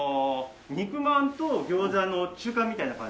肉まんと餃子の中間みたいな感じ。